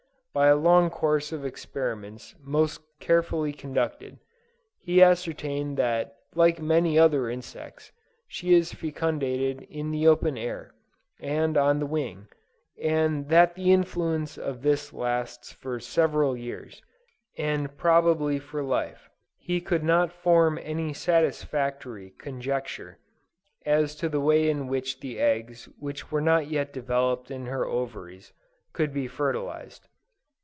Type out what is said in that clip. By a long course of experiments most carefully conducted, he ascertained that like many other insects, she is fecundated in the open air, and on the wing, and that the influence of this lasts for several years, and probably for life. He could not form any satisfactory conjecture, as to the way in which the eggs which were not yet developed in her ovaries, could be fertilized.